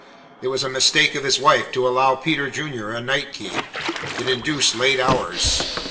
It was a mistake of his wife to allow Peter Junior a night key. It induced late hours.